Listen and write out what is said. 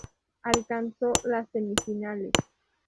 Alcanzó las semifinales.